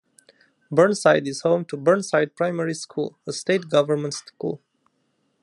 Burnside is home to Burnside Primary School, a State government school.